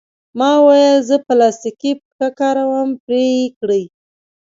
ما وویل: زه پلاستیکي پښه کاروم، پرې یې کړئ.